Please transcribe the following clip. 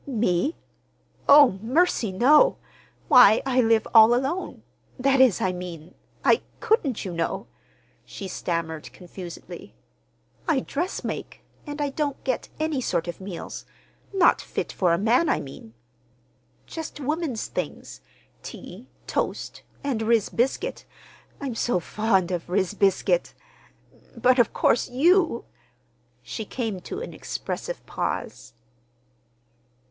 "Me? Oh, mercy, no! Why, I live all alone—that is, I mean, I couldn't, you know," she stammered confusedly. "I dressmake, and I don't get any sort of meals—not fit for a man, I mean. Just women's things—tea, toast, and riz biscuit. I'm so fond of riz biscuit! But, of course, you—" She came to an expressive pause.